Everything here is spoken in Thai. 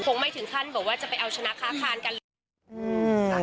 คงไม่ถึงขั้นแบบว่าจะไปเอาชนะค้าค้านกัน